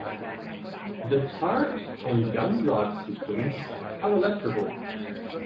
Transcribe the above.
The turret and gun drive systems are electrical.